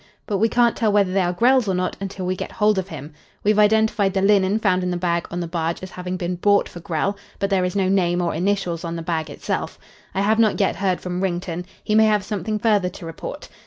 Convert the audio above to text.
But we can't tell whether they are Grell's or not until we get hold of him. We've identified the linen found in the bag on the barge as having been bought for Grell, but there is no name or initials on the bag itself. I have not yet heard from Wrington. He may have something further to report.